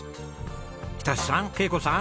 仁さん恵子さん